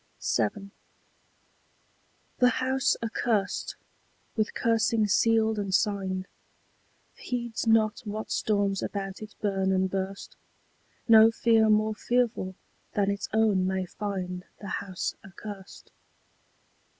VII. The house accurst, with cursing sealed and signed, Heeds not what storms about it burn and burst: No fear more fearful than its own may find The house accurst.